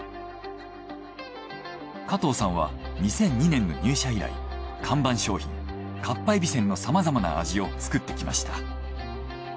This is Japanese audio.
加藤さんは２００２年の入社以来看板商品かっぱえびせんのさまざまな味を作ってきました。